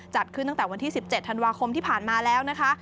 จัดขึ้นตั้งแต่วันที่๑๗ธันวาคมที่ผ่านมาแล้วนะคะ